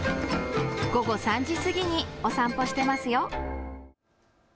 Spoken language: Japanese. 午後３時過ぎにお散歩してますよ。